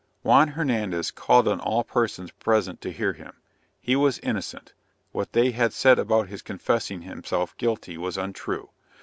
_] Juan Hernandez called on all persons present to hear him he was innocent; what they had said about his confessing himself guilty was untrue.